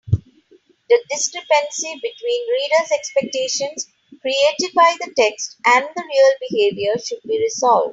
The discrepancy between reader’s expectations created by the text and the real behaviour should be resolved.